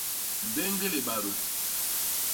Mbéñg libadô.